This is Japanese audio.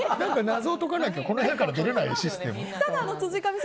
謎を解かないと、この部屋から出られないシステム？